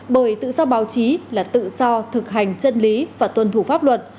bởi tự do báo chí là tự do thực hành chân lý và tuân thủ pháp luật